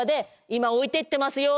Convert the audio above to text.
「今置いてってますよ」